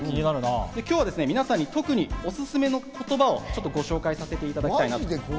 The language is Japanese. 今日は皆さんに特におすすめの言葉をご紹介させていただきたいと思います。